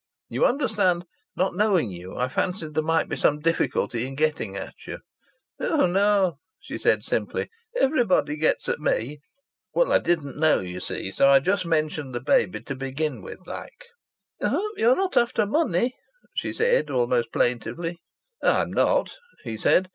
You understand, not knowing you, I fancied there might be some difficulty in getting at you " "Oh! no!" she said simply. "Everybody gets at me." "Well, I didn't know, you see. So I just mentioned the baby to begin with, like!" "I hope you're not after money," she said, almost plaintively. "I'm not," he said.